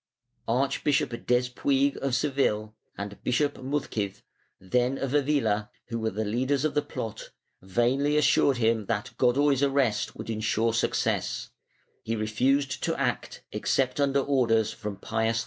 Archbishop Despuig of Seville and Bishop Muzquiz, then of Avila, who were the leaders of the plot, vainly assured him that Godoy's arrest would insure success; he refused to act except under orders from Pius \1.